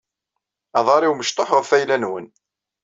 Aḍaṛ-iw mecṭuḥ ɣf ayla-nwen.